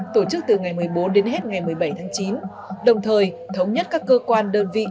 tổ chức từ ngày một mươi bốn đến hết ngày một mươi bảy tháng chín đồng thời thống nhất các cơ quan đơn vị